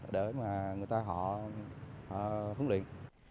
để mà người ta họ hướng luyện